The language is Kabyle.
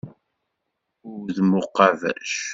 Udem ubaqac.